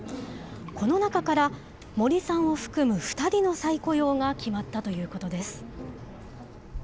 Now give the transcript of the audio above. この中から、森さんを含む２人の再雇用が決まったということです。